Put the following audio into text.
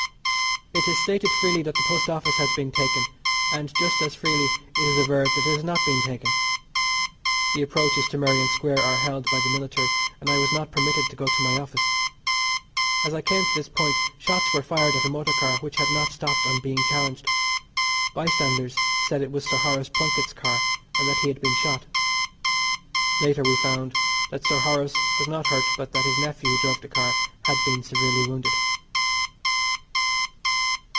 It is stated freely that the Post Office has been taken, and just as freely it is averred that it has not been taken. The approaches to Merrion Square are held by the military, and I was not permitted to go to my office. As I came to this point shots were fired at a motor car which had not stopped on being challenged. Bystanders said it was Sir Horace Plunkett's car, and that he had been shot. Later we found that Sir Horace was not hurt, but that his nephew who drove the car had been severely wounded.